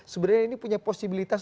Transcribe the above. sebenarnya ini punya posibilitas